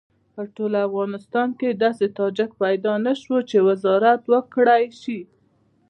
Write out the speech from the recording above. په ټول افغانستان کې داسې تاجک پیدا نه شو چې وزارت وکړای شي.